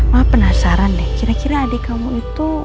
wah penasaran deh kira kira adik kamu itu